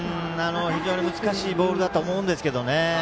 非常に難しいボールだと思うんですけどね。